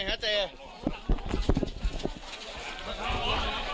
ผมขอโทษประชาติคนไหนครับ